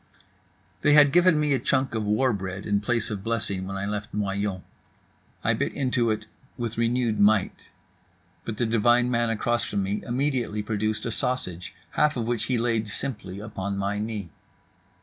They had given me a chunk of war bread in place of blessing when I left Noyon. I bit into it with renewed might. But the divine man across from me immediately produced a sausage, half of which he laid simply upon my knee.